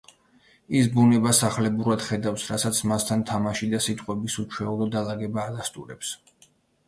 ის ბუნებას ახლებურად ხედავს, რასაც მასთან თამაში და სიტყვების უჩვეულო დალაგება ადასტურებს.